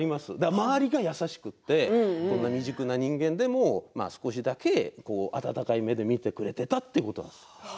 周りが優しくて未熟な人間でも少しだけ温かい目で見てくれていたということです。